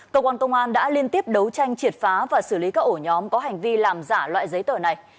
cơ quan công an đã liên tiếp đấu tranh triệt phá và xử lý các ổ nhóm có hành vi làm giả loại giấy tờ này